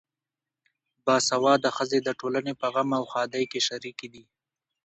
باسواده ښځې د ټولنې په غم او ښادۍ کې شریکې دي.